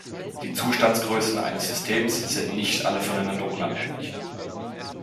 Die Zustandsgrößen eines Systems sind nicht alle voneinander unabhängig.